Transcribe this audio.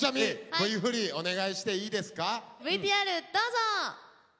ＶＴＲどうぞ！